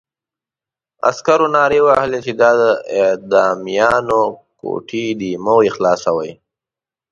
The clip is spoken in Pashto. عسکرو نارې وهلې چې دا د اعدامیانو کوټې دي مه یې خلاصوئ.